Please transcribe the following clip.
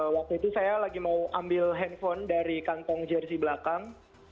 waktu itu saya lagi mau ambil handphone dari kantong jersi belakang